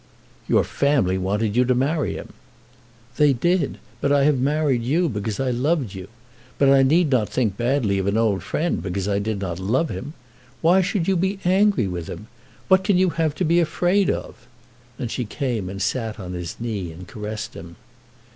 "Your family wanted you to marry him!" "They did. But I have married you, because I loved you. But I need not think badly of an old friend, because I did not love him. Why should you be angry with him? What can you have to be afraid of?" Then she came and sat on his knee and caressed him.